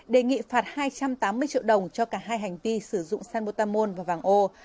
đề nghị phạt hai trăm tám mươi triệu đồng cho cả hai hành vi sử dụng san parmon và vàng ô